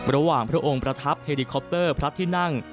ระหว่างพระองค์ประทับเฮรคอปเตอร์พระทินั่ง